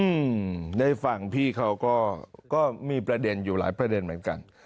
อืมได้ฟังพี่เขาก็ก็มีประเด็นอยู่หลายประเด็นเหมือนกัน